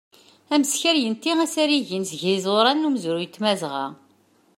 Ameskar yenti asarig-ines seg iẓuran n umezruy n tmazɣa.